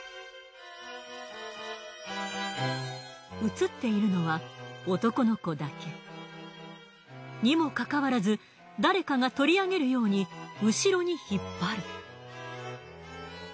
映っているのは男の子だけ。にもかかわらず誰かが取り上げるように後ろに引っ張る。